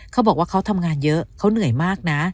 เขาบอกว่าเขาทำงานเยอะเขาเหนื่อยมากนะ